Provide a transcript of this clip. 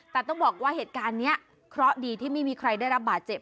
แต่ต้องบอกว่าเหตุการณ์นี้เคราะห์ดีที่ไม่มีใครได้รับบาดเจ็บ